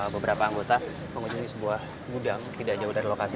beberapa anggota mengunjungi sebuah gudang tidak jauh dari lokasi